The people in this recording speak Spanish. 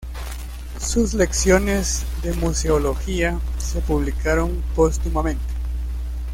Sus Lecciones de Museología se publicaron póstumamente.